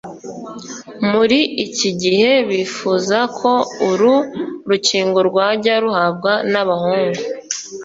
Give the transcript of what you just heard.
muri iki gihe bifuza ko uru rukingo rwajya ruhabwa n'abahungu